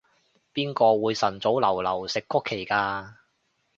邊個會晨早流流食曲奇㗎？